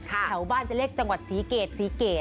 แถวบ้านจะเรียกจังหวัดศรีเกตศรีเกต